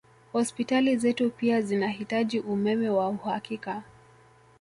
Hospitali zetu pia zinahitaji umeme wa uhakika